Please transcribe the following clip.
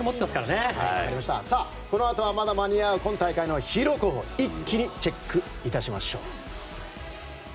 このあとはまだ間に合う今大会のヒーロー候補一気にチェックいたしましょう。